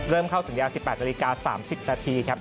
เริ่มเข้าสัญญาณ๑๘นาฬิกา๓๐นาทีครับ